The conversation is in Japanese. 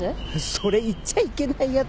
それ言っちゃいけないやつ。